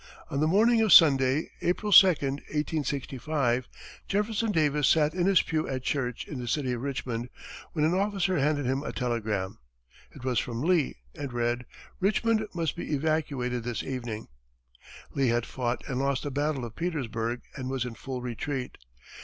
On the morning of Sunday, April 2, 1865, Jefferson Davis sat in his pew at church in the city of Richmond, when an officer handed him a telegram. It was from Lee, and read, "Richmond must be evacuated this evening," Lee had fought and lost the battle of Petersburg, and was in full retreat.